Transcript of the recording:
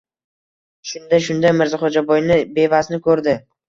Shunda... shunda, Mirzaxo‘jaboyni bevasini ko‘rdi!